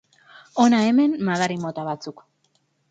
Hona hemen madari mota batzuk.